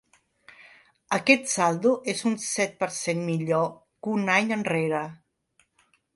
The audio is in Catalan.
Aquest saldo és un set per cent millor que un any enrere.